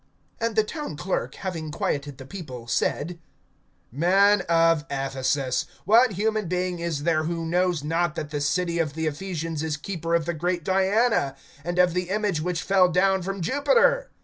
(35)And the town clerk, having quieted the people, said: Men of Ephesus, what human being is there, who knows not that the city of the Ephesians is keeper of the great Diana, and of the image which fell down from Jupiter?